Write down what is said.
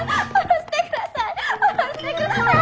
下ろしてください！